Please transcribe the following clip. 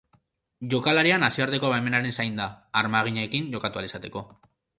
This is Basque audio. Jokalaria nazioarteko baimenaren zain da, armaginekin jokatu ahal izateko.